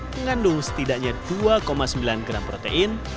mengandung setidaknya dua sembilan gram protein